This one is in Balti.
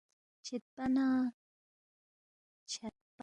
چھدپا نہ کھون٘ی فال نجُوم تنگ کھن کُلی زیربت